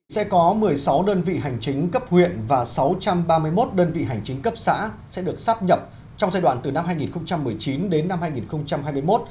sẽ có một mươi sáu đơn vị hành chính cấp huyện và sáu trăm ba mươi một đơn vị hành chính cấp xã sẽ được sắp nhập trong giai đoạn từ năm hai nghìn một mươi chín đến năm hai nghìn hai mươi một